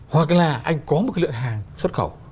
hoặc là anh có một lượng hàng xuất khẩu